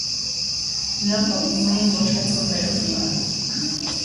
Նրանք ապրում էին ոչ մեծ խմբերով։